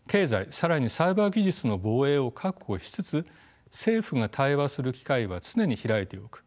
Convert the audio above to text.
更にサイバー技術の防衛を確保しつつ政府が対話する機会は常に開いておく。